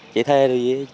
chạy thê rồi